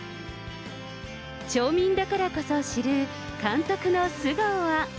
町民だからこそ知る監督の素顔は。